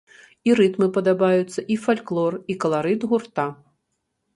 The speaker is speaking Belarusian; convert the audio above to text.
І рытмы падабаюцца, і фальклор, і каларыт гурта.